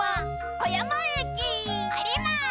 おります！